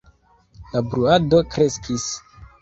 La bruado kreskis.